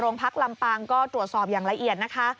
พักลำปางก็ตรวจสอบอย่างละเอียดนะคะ